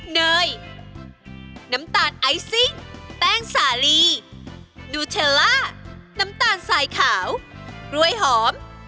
เนยน้ำตาลไอซิ่งแป้งสาลีดูเชอล่าน้ำตาลสายขาวกล้วยหอม